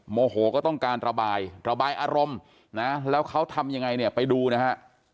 โมโหก็ต้องการระบายระบายอารมณ์นะแล้วเขาทำยังไงเนี่ยไปดูนะฮะ